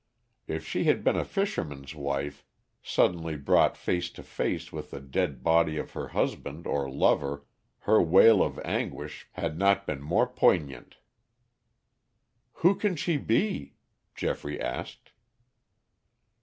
If she had been a fisherman's wife suddenly brought face to face with the dead body of her husband or lover, her wail of anguish had not been more poignant. "Who can she be?" Geoffrey asked.